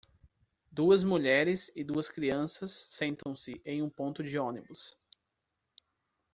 Duas mulheres e duas crianças sentam-se em um ponto de ônibus.